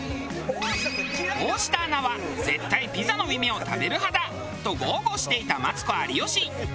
「大下アナは絶対ピザの耳を食べる派だ」と豪語していたマツコ有吉。